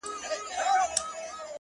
د سترگو سرو لمبو ته دا پتنگ در اچوم،